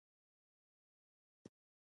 بیلتون ولې تباهي ده؟